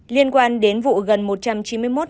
liên quan đến vụ gần một trăm chín mươi một học viên đập phá